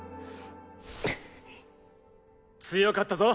強かったぞ！